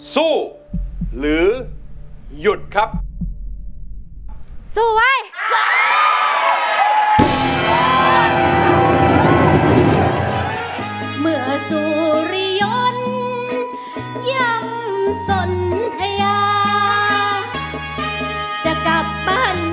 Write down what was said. สู้หรือหยุดครับ